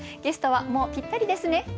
ゲストはもうぴったりですね。